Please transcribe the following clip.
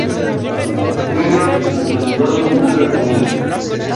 Hay pocos niños y ningún individuo senil.